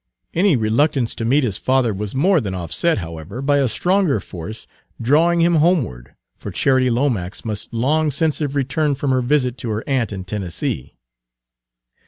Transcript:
Page 195 Any reluctance to meet his father was more than offset, however, by a stronger force drawing him homeward, for Charity Lomax must long since have returned from her visit to her aunt in Tennessee.